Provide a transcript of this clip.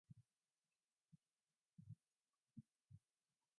His family reunited with him in South Korea later that year.